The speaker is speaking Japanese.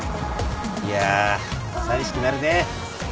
いやぁ寂しくなるねぇ。